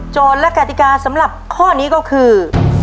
และกติกาสำหรับข้อนี้ก็คือ